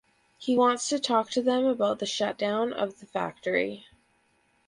He wants to talk to them about the shutdown of the factory.